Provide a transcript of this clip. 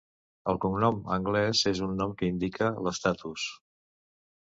El cognom anglès és un nom que indica l'estatus.